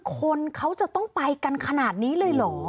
คนเขาจะต้องไปกันขนาดนี้เลยเหรอ